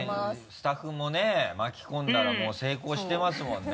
スタッフもね巻き込んだらもう成功してますもんね。